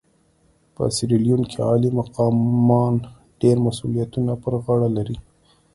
په سیریلیون کې عالي مقامان ډېر مسوولیتونه پر غاړه لري.